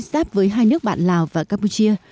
giáp với hai nước bạn lào và campuchia